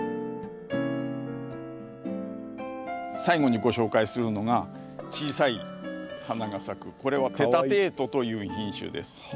最後にご紹介するのが小さい花が咲くこれは‘テタテート’という品種です。